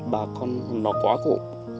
bà con nó quá khổ